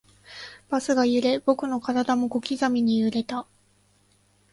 バスが揺れ、僕の体も小刻みに揺れた